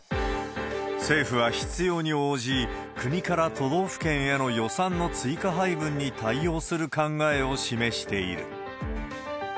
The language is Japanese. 政府は必要に応じ、国から都道府県への予算の追加配分に対応する考えを示している。